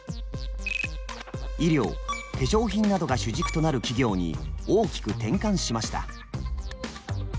医療・化粧品などが主軸となる企業に大きく転換しました。